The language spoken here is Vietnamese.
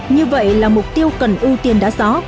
như vậy là mục tiêu cần ưu tiên đã rõ